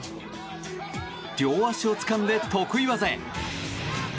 両足をつかんで得意技へ。